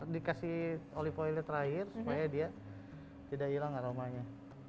dikasih olive oil terakhir supaya dia tidak hilang aromanya